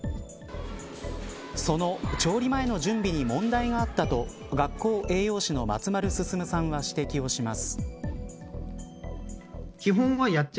その調理前の準備に問題があったと学校栄養士の松丸奨さんは指摘をします。